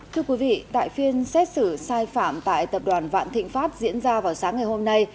thưa quý vị tại phiên xét xử sai phạm tại tập đoàn vạn thịnh pháp diễn ra vào sáng ngày hôm nay